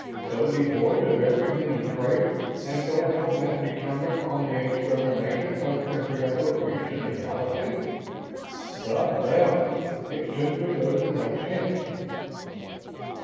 So devoid of every human trace and so hell bent determined on the extermination of every other race in the Galaxy? God damn it, it simply doesn't make sense!"